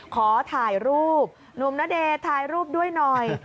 ขอถ่ายรูปหนุ่มณเดชน์ถ่ายรูปด้วยหน่อย